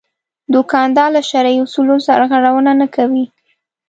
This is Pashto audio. دوکاندار له شرعي اصولو سرغړونه نه کوي.